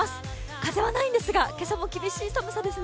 風はないんですが、今朝も厳しい寒さですね。